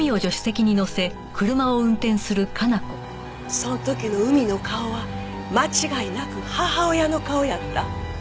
その時の海の顔は間違いなく母親の顔やった。